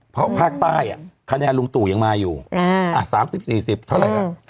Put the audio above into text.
เพราะภาคใต้คะแนนลุงตู่ยังมาอยู่๓๐๔๐เท่าไหร่แล้ว